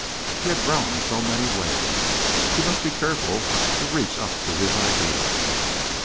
He had grown in many ways. She must be careful to reach up to his ideals.